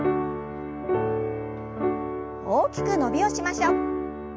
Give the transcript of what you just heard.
大きく伸びをしましょう。